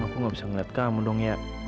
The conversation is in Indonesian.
aku gak bisa ngeliat kamu dong ya